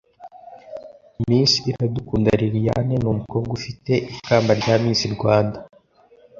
Miss Iradukunda Liliane ni umukobwa ufite ikamba rya Miss Rwanda